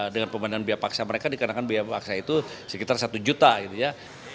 dengan pemandangan biaya paksa mereka dikarenakan biaya paksa itu sekitar satu juta gitu ya